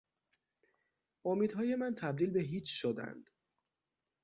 امیدهای من تبدیل به هیچ شدند.